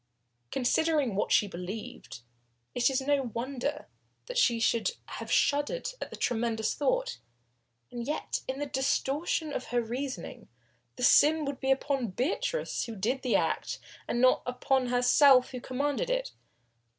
Considering what she believed, it is no wonder that she should have shuddered at the tremendous thought. And yet, in the distortion of her reasoning, the sin would be upon Beatrice who did the act, and not upon herself who commanded it.